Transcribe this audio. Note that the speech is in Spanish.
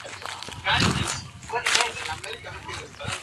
Jugaba como delantero y su último equipo fue el Adelaide United de Australia.